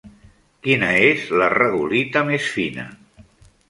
Quina és la regolita més fina?